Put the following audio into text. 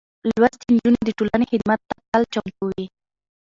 لوستې نجونې د ټولنې خدمت ته تل چمتو وي.